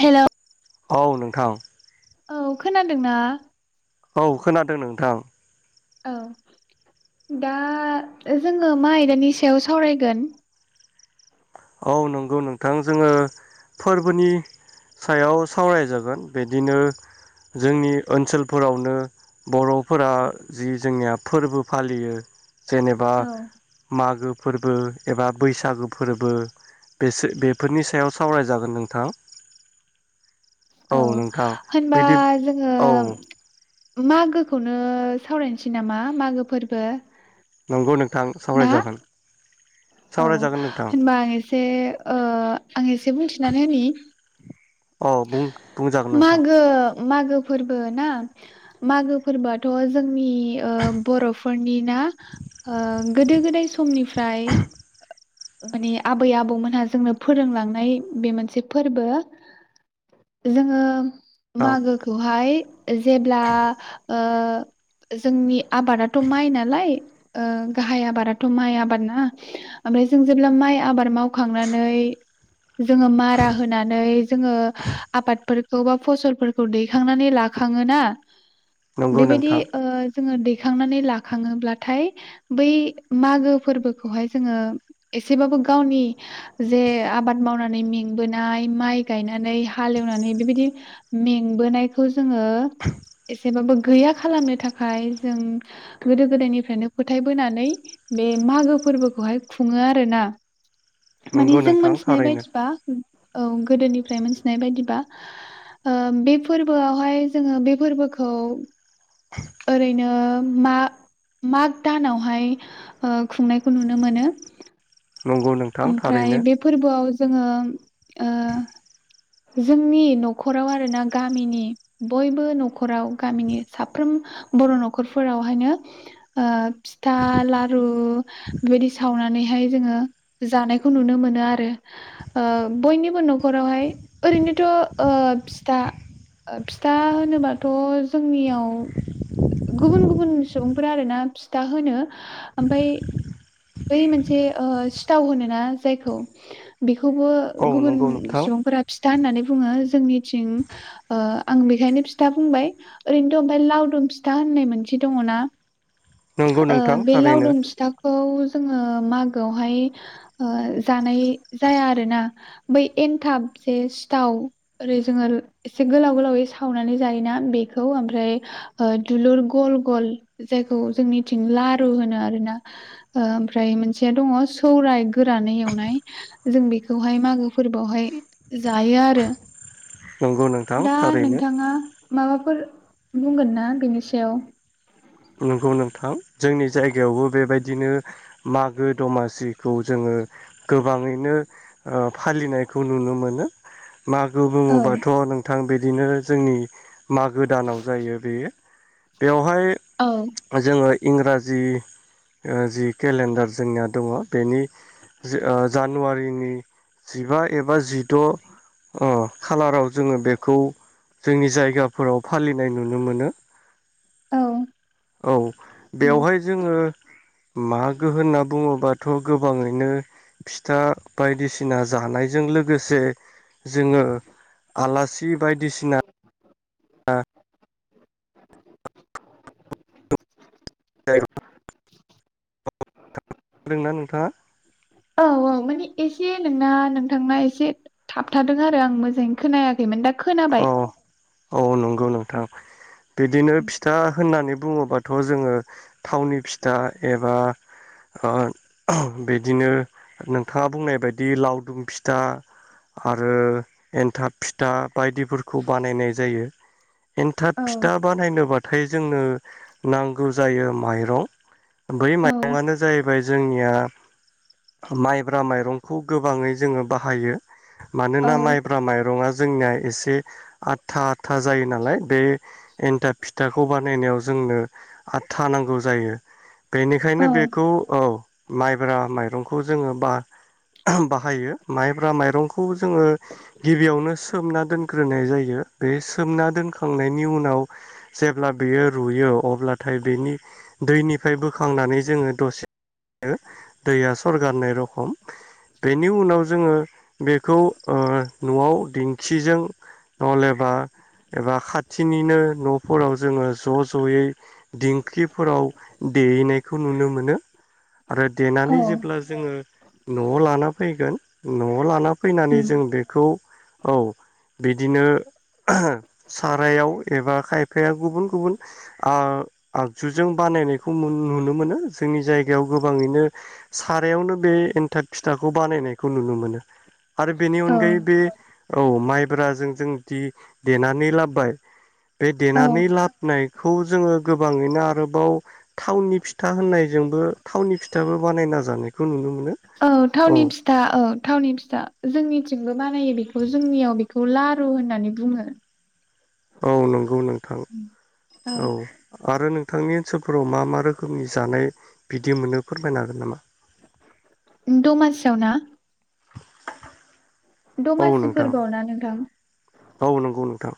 Hello. औ नोंथां। औ खोनादोंना? औ खोनादों नोंथां। औ दा जोङो मा आयदानि सायाव सावरायगोन? औ नंगौ नोंथां जोङो फोरबोनि सायाव सावरायजागोन बिदिनो जोंनि ओनसोलफोरावनो बर'फोरा जि जोंनिया फोरबो फालियो। जेनेबा औ मागो फोरबो एबा बैसागु फोरबो। बेसो बेफोरनि सायाव सावरायजागोन नोंथां। औ नोंथां होनबा बिदि जोङो औ मागो खौनो सावरायनोसै नामा मागो फोरबो। नंगौ नोंथां ना? सावरायजागोन। औ सावरायजागोन नोंथां होनबा आं एसे ओ आं एसे बुंथिनानै होनि। औ बुं बुंजागोन नोंथां। मागो मागो फोरबो ना मागो फोरबोआथ' जों नि ओ बर'फोरनि ना ओ गोदो गोदाय समनिफ्राय माने आबै आबौमोनहा जोंनो फोरोंलांनाय बे मोनसे फोर्बो जोङो औ मागोखौहाय जेब्ला ओ जोंनि आबादाथ' माइ नालाय ओ गाहाय आबादाथ' माइ आबाद ना ओमफ्राय जों जेब्ला माइ आबाद मावखांनानै जोङो मारा होनानै जोङो आबादफोर बबा फसलफोरखौ दैखांनानै लाखाङोना नंगौ बेबायदि नोंथां ओ जोङो दैखांनानै लाखाङोब्लाथाय बै मागो फोर्बोखौहाय जोङो एसेबाबो गावनि जे आबाद मावनानै मेंबोनाय माइ गायनाय नानै हालेवनानै बेबायदि मेंबोनायखौ जोङो एसेबाबो गैया खालामनो थाखाय जों गोदो गोदायनिफ्रायनो फोथायबोनानै बे मागो फोर्बोखौहाय खुङो आरो ना माने नंगौ जों नोंथां मोनथिनाय थारैनो बायदिबा औ गोदोनिफ्राय मोनथिनाय बायदिबा ओ बे फोर्बोआवहाय जोङो बे फोर्बोखौ ओरैनो मा माग दानावहाय ओ खुंनायखौ नुनो मोनो नंगौ नोंथां ओमफ्राय थारैनो बे फोर्बोआव जोङो ओ [unintelligible] जोंनि न'खराव आरोना गामिनि बयबो न'खराव गामिनि साफ्रोम बर' न'खरफोरावहायनो ओ फिथा लारु बेदि सावनानैहाय जोङो जानायखौ नुनो मोनो आरो ओ बयनिबो न'खरावहाय ओरैनोथ' ओ फिथा फिथा होनोबाथ' जोंनियाव गुबुन गुबुन सुबुंफोरा आरोना फिथा होनो ओमफ्राय बै मोनसे ओ सिथाव होनोना जायखौ बेखौबो औ गुबुन नंगौ नोंथां सुबुंफोरा फिथा होननानै बुङो जोंनिथिं ओ आं बेखायनो फिथा बुंबाय ओरैनोथ' ओमफ्राय लावदुम फिथा होननाय मोनसे दङना नंगौ ओ नोंथां बे थारैनो लावदुम फिथाखौ जोङो मागोआवहाय ओ जानाय जाया आरोना बै एन्थाब जे सिथाव ओरै जोङो एसे गोलाव गोलावै सावनानै जायोना बेखौ ओमफ्राय दुलुर गल गल जायखौ जोंनिथिं लारु होनो आरोना ओमफ्राय मोनसेया दङ सौराय गोरानै एवनाय जों बेखौहाय मागो फोर्बोआवहाय जायो आरो नंगौ नोंथां दा थारैनो नोंथाङा माबा फोर बुंगोन ना बेनि सायाव नंगौ नोंथां जोंनि जायगायावबो बेबायदिनो मागो दमासिखौ जोङो गोबाङैनो ओ फालिनायखौ नुनो मोनो मागो औ बुङोबाथ' नोंथां बे बिनो जोंनि मागो दानाव जायो बेयो बेवहाय जोङो इंराजि ओ जि केलेन्डार जोंनिया दङ बेनि ओ जानुवारिनि जिबा एबा जिद' ओ खालाराव जोङो बेखौ जोंनि जायगाफोराव फालिनाय नुनो मोनो औ औ उम बेवहाय जोङो मागो होनना बुङोबाथ' गोबाङैनो फिथा बायदिसिना जानायजों लोगोसे जोङो आलासि बायदिसिना [unintelligible] [inaudible] रोंङो ना नोंथाङा? औ औ माने एसे नोंना नोंथांना एसे थाबथादों आरो आं मोजाङै खोनायाखैमोन दा औ खोनाबाय औ नं गौ नोंथां बिदिनो फिथा होननानै बुङोबाथ' जोङो थावनि फिथा एबा ओ बिदिनो नोंथाङा बुंनाय बायदि लावदुम फिथा आरो एन्थाब फिथा बायदिफोरखौ बानायनाय जायो। एन्थाब औ फिथा बानायनोबा थाय जोंनो नांगौ जायो माइरं बै औ माइरंआनो जाहैबाय जोंनिया माइब्रा माइरंखौ गोबाङै जोङो बाहायो। औ मानोना माइफ्रा माइरङा जोंनिया एसे आथा आथा जायो ना लाय बे एन्था फिथाखौ बानायनायाव जोंनो आथा नांगौ जायो बेनिखायनो औ बेखौ औ माइब्रा माइरंखौ जोङो बा बाहायो माइब्रा माइरंखौ जोङो गिबियावनो सोमना दोनग्रोनाय जायो बे सोमना दोनखांनायनि उनाव जेब्ला बेयो रुयो अब्लाथाय बेनि दैनिफ्राय बोखांनानै जोङो दसे [inaudible] दैया सरगारनाय रखम बेनि उनाव जोङो बेखौ ओ न'आव दिंखिजों नलेबा एबा खाथिनिनो न'फोराव जोङो ज' ज'यै दिंखिफोराव देहैनायखौ नुनो मोनो। आरो औ देनानै जेब्ला जोङो न'आव लाना फैगोन न' लाना फैनानै उम जों बेखौ औ बिदिनो सारायाव एबा खायफाया गुबुन गुबुन आ आगजुजों बानायनायखौ नुनो मोनो जोंनि जायगायाव गोबाङैनो सारायावनो बे एन्थाब फिथाखौ बानायनायखौ नुनो मोनो। आरो बेनि औ अनगायै बे औ माइ ब्रा जों जों दि देनानै लाबोबाय बे औ देनानै लाबोननायखौ जोङो गोबाङैनो आरोबाव थावनि फिथा होननायजोंबो थावनि फिथाबो बानायना जानायखौ नुनो मो औ थावनि फिथा औ थावनि फिथा जोंनि थिंबो बानायो बेखौ जोंनियाव बेखौ लारु होननानै बुङो। औ नंगौ नों थां औ आरो नोंथांनि ओनसोल फोराव मा मा रोखोमनि जानाय बिदि मोनो फोरमायनो हागोन नामा दमासियाव ना? औ दमासि नोंथां फोरबोआव ना नोंथां? बाव नांगौ नोंथां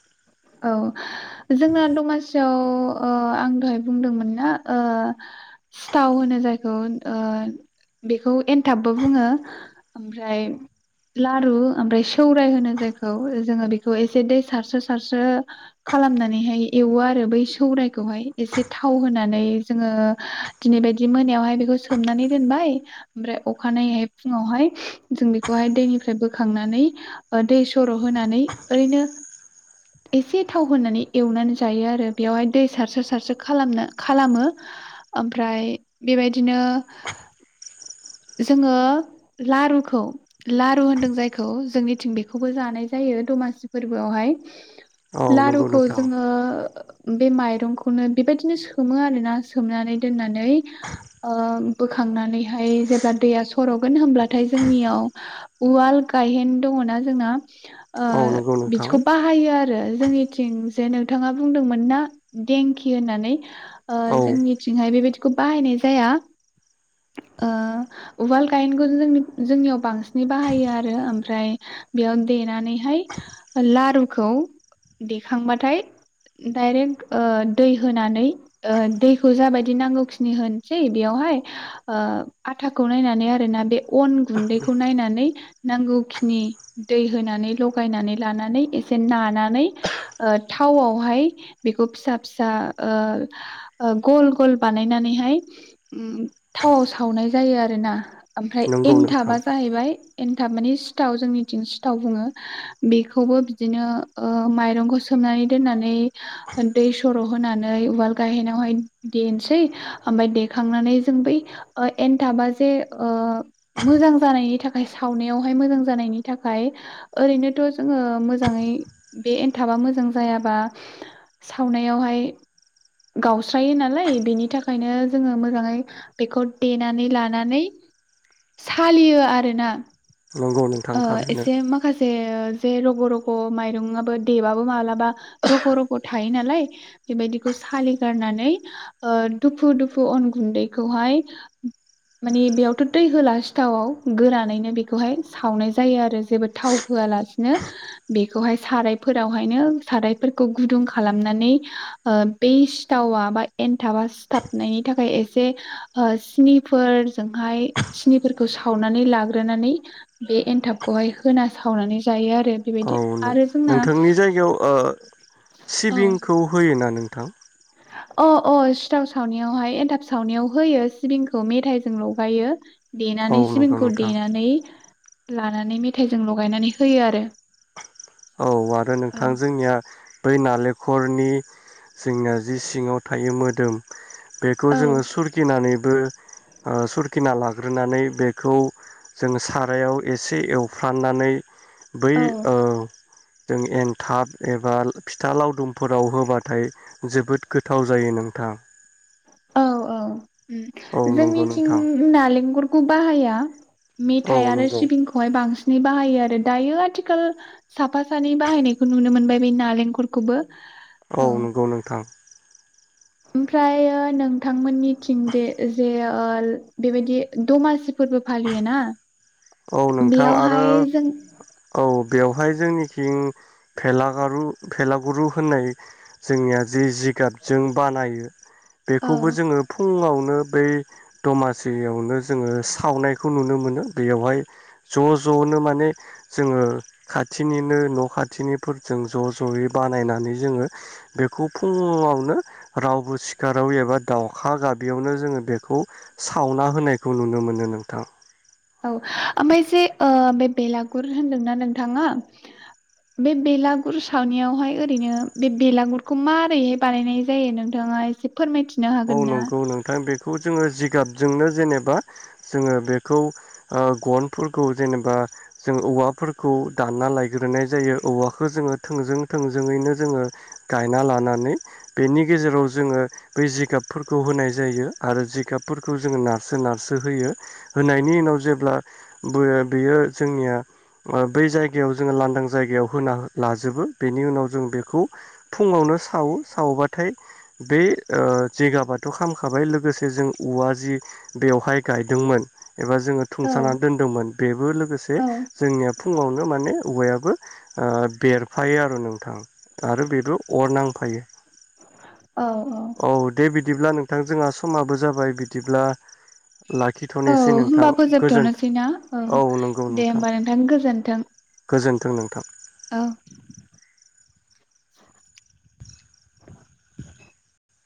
औ जोंना दमासियाव अ आं दहाय बुंदोंमोन ना अ सिथाव होनो जायखौ बेखौ खौ एनथाबबो बुङो ओमफ्राय लारु ओमफ्राय सौराय होनो जायखौ जोङो बेखौ एसे दै सारसोसार सारसो खालामनानैहाय एवो आरो बै सौरायखौहाय एसे थाव होनानै जोङो दिनै बायदि मोनायावहाय बेखौ सोमनानै दोनबाय ओमफ्राय अखानायैहाय फुङावहाय जों बेखौहाय दैनिफ्राय बोखांनानै अ दै सर' होनानै ओरैनो एसे थाव होनानै एवनानै जायो आरो बेयावहाय दै सारसो सारसो खालामनो खालामो ओमफ्राय बेबायदिनो जोङो लारुखौ लारु होनदों जायखौ जोंनिथिं बेखौबो जानाय जायो दमासि फोरबोआवहाय औ [inaudible] नंगौ लारुखौ नोंथां जोङो बे माइरंखौनो बेबायदिनो सोमो आरोना सोमनानै दोननानै नै अ बोखांनानै हाय जेब्ला दैया सर' गोन होमब्ला नाथाय जोंनियाव उवाल गायहेन दङना‌ जोंना [unintelligible] औ नंगौ नोंथां आरो जोंनिथिं जे नोंथाङा बुंदोंमोन ना देंखि होननानै अ औ जोंनिथिंहाय बेबायदि खौ बाहायनाय जाया वाल गायेनखौ जोंनियाव बांसिन नै बाहायो आरो ओमफ्राय बेयाव देनानै हाय ला रुखौ देखांबाथाय डाइरेक्ट अ दै होनानै अ दैखौ जाबाय [unintelligible] नांगौखिनि होनसै बेयावहाय ओ आथाखौ नायनानै आरोना बे अन गुन्दैखौ नायनानै नांगौखिनि दै होनानै लगायनानै लानानै ए से नानानै ओ थावआवहाय बेखौ फिसा फिसा ओ ओ गल गल बानायनानैहाय ओम थावआव सावनाय जायो आरोना ओमफ्राय नंगौ नोंथां एनथाबा जाहैबाय एन्थाब माने सिथाव जोंनिथिं सिथाव बुङो बेखौबो बि दिनो ओ माइरंखौ सोमनानै दोननानै दै सर' होनानै उवाल गायहोनावहाय देनोसै ओमफाय देखांनानै जों बै ओ एनथाबा जे ओ मोजां जानायनि थाखाय सावनायावहाय मोजां जानायनि थाखाय ओरैनोथ' जोङो मो जाङै बे एनथाबा मोजां जायाबा सावनायावहाय गावस्रायो नालाय बेनि थाखायनो जोङो मोजाङै बेखौ देनानै लानानै सालियो आरोना नंगौ नोंथां ओ थारैनो एसे माखासे ओ जे रग' रग' माइरंआबो देबाबो मालाबा रग' रग' थायो नालाय बेबायदिखौ सालिगारनानै ओ दुफु दुफु अन गुन्दैखौहाय माने बेयावथ' दै होला सिथावाव गोरानैनो बेखौहाय सावनाय जायो आरो जेबो थाव होआलासिनो बेखौहाय सारायफोरावहायनो सारायफोरखौ गुदुं खालामनानै ओ बै सिथावा बा एनथाबा सिथाबनायनि थाखाय एसे ओ सिनिफोरजोंहाय सिनिफोरखौ सावनानै लाग्रोनानै बे एनथाबखौहाय होना सावनानै जायो आरो औ बेबायदि आरो जोंना नोंथांनि जायगायाव ओ औ सिबिंखौ होयोना नोंथां अ अ सिथाव सावनायावहाय एन्थाब सावनायाव होयो सिबिंखौ मेथाइजों लगायो औ देनानै नंगौ सिबिंखौ नोंथां देनानै लानानै मेथाइजों लगायनानै होयो आरो औ आरो औ नोंथां जोंनिया बै नालेखरनि जोंना जि सिङाव थायो मोदोम बेखौ जोङो सुरगिनानै बो ओ सुरखिना लाग्रोनानै बेखौ जोङो सारायाव एसे एवफ्रामनानै बै औ ओ जों एनथाब एबा फिथा लावदुमफोराव होबाथाय जोबोद गोथाव जायो नोंथां औ औ उम औ नंगौ जोंनिथिं नोंथां नालेंगर खौ बाहाया औ मेथाइ आरो नंगौ सिबिंखौहाय बां बे बाहायो आरो दायो आथिखाल साफा सानै बाहायनायखो नुनो मोनबाय बै नालेंखलरखौबो औ नोंगौ नोंथां ओमफ्रायो नोंथांमोननि थिं दे ओजे ओल बेबायदि दमासि फोरबो फालियो ना औ नोंथां आरो औ अ बेवहाय जोंनिखिं भेलागारु भेलागुरु होननाय जोंनिया जि जिगाबजों बानायो औ बेखौबो जोङो फुङाव बो बै दमासियावनो जोङो सावनायखौ नुनो मोनो। बेवहाय ज' ज'नो माने जोङो खाथिनिनो न' खाथिनिफोरजों ज' ज'यै बानायनानै जोङो बेखौ फुङावनो रावबो सिखाराव एबा दावउखा गाबियावनो जोङो बेखौ सावना होनायखौ नुनो मोनो नोंथां। औ ओमफाय जे बे बेलागुर होन्दोंना नोंथाङा बे बेलागुर सावनायावहाय ओरैनो बे बेलागुरखौ मारैहाय बानायनाय जायो नोंथाङा एसे फोरमायथिनो हागोनना? खौ जोङो जिगाबजोंनो जेनेबा जोङो बेखौ गनफोरखौ जेनेबा जों औवाफोरखौ दानना लायग्रोनाय जायो औवाखो जोङो थोंजों थोंजोङैनो जोङो गायना लानानै बेनि गेजेराव जोङो बे जिगाबफोरखौ होनाय जायो आरो जिगाबफोरखौ जोङो नारसो नारसो होयो होनायनि उनाव जेब्ला बो बेयो जोंनिया बै जायगायाव जोङो लानदां जायगायाव होना लाजोबो बेनि उनाव जों बेखौ फुङावनो सावो सावबाथाय बे जिगाबाथ' खामखाबाय लोगोसे जों औवा जि बेवहाय गायदोंमोन एबा जोङो औ थुंसानानै दोनदोंमोन बेबो लोगोसे औ जोंनिया फुङावनो माने औवायाबो ओ बेरफायो आरो नोंथां आरो बेबो अर नांफायो। औ औ दे बिदिब्ला नोंथां जोंहा समाबो जाबाय बिदिब्ला औ लाखिथ'नोसै नोंथां होमबा गोजोन फोजोबथ'नोसैना औ दे होमबा नोंथां गोजोन्थों। गोजोन्थों नोंथां। औ [inaudible]